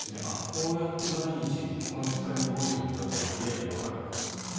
こうやって毎日この時間に動いているんだというのがリアルでわかるわけですから。